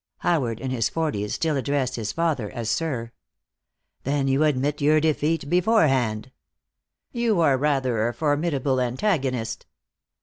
Howard, in his forties, still addressed his father as "Sir!" "Then you admit your defeat beforehand." "You are rather a formidable antagonist."